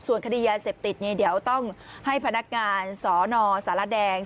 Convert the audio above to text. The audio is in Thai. ส่วนคดียาเสพติดเนี่ยเดี๋ยวต้องให้พนักงานสนสารแดง